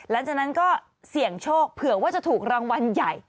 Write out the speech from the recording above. หลังจากนั้นก็เสี่ยงโชคเผื่อว่าจะถูกรางวัลใหญ่